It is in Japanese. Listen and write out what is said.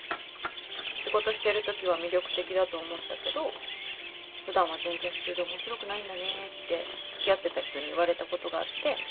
「仕事してる時は魅力的だと思ったけど普段は全然普通で面白くないんだね」って付き合ってた人に言われたことがあって。